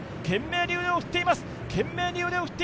懸命に腕を振っています。